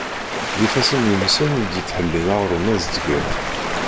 D ifassen yumsen i d-yettḥellin aɣrum azedgan.